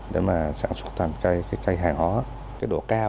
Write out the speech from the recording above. để mà sản xuất thành cây hàng hóa